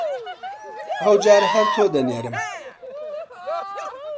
ئەوجار هەر تۆ دەنێرم!